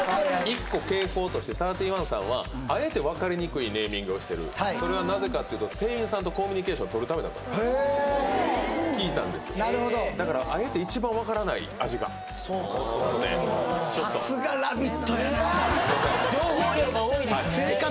１個傾向としてサーティワンさんはあえて分かりにくいネーミングをしてるそれはなぜかっていうと店員さんとコミュニケーションとるためだと聞いたんですなるほどだからあえて一番分からない味がなのでちょっと・情報量が多いですね